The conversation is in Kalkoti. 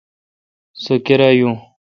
سو کیرا یون۔